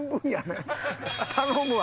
頼むわ。